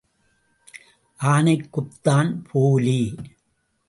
ஆனைக் குப்பத்தான் போலே,